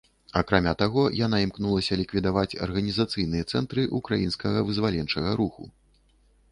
Акрамя таго, яна імкнулася ліквідаваць арганізацыйныя цэнтры ўкраінскага вызваленчага руху.